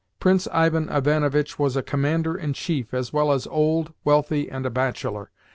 Prince Ivan Ivanovitch was a commander in chief, as well as old, wealthy, and a bachelor.